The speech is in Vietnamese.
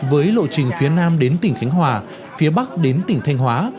với lộ trình phía nam đến tỉnh khánh hòa phía bắc đến tỉnh thanh hóa